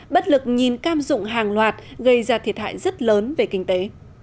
bất lực nhìn cam dụng hàng loạt gây ra thiệt hại rất lớn về kinh tế